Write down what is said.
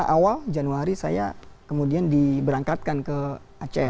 dua ribu lima awal januari saya kemudian diberangkatkan ke aceh